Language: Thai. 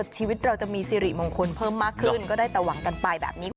ชีวิตเราจะมีสิริมงคลเพิ่มมากขึ้นก็ได้แต่หวังกันไปแบบนี้